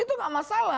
itu gak masalah